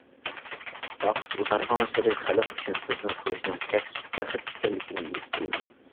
ۋاقىت ئۇزارغانسېرى، خەلق ئۈچۈن خىزمەت قىلىشنىڭ چەكسىز بەخت ئىكەنلىكىنى ھېس قىلدىم.